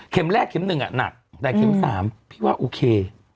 แรกเข็มหนึ่งหนักแต่เข็ม๓พี่ว่าโอเค